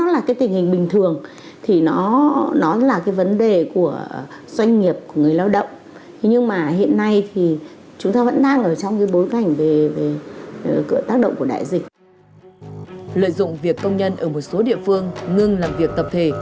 lợi dụng việc công nhân ở một số địa phương ngưng làm việc tập thể